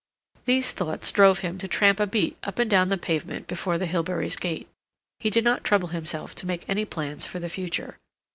These thoughts drove him to tramp a beat up and down the pavement before the Hilberys' gate. He did not trouble himself to make any plans for the future.